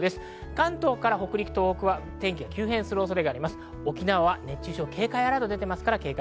関東から北陸などは天気が急変する恐れがあります。